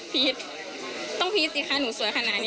ไปเจอกันครั้งแรกนี้รู้สึกชอบยังไง